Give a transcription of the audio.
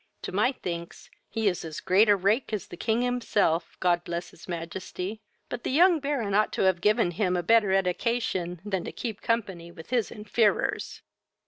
To my thinks, he is as great a rake as the king himself, God bless his majesty; but the young Baron ought to have given him a better eddication than to keep company with his infeerors."